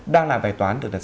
đang là vài toán được đặt ra